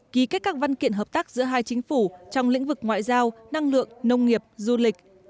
ký kết các văn kiện hợp tác giữa hai chính phủ trong lĩnh vực ngoại giao năng lượng nông nghiệp du lịch